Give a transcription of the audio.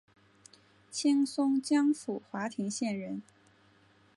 清松江府华亭县人。